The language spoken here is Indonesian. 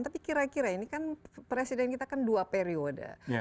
tapi kira kira ini kan presiden kita kan dua periode